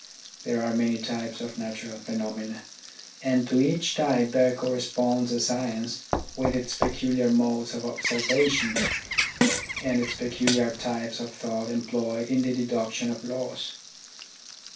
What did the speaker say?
There are many types of natural pheno mena, and to each type there corresponds a science with its peculiar modes of observation, and its peculiar types of thought employed in the deduction of laws.